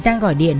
giang gọi điện